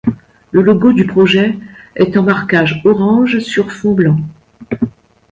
Le logo du projet est en marquage orange sur fond blanc.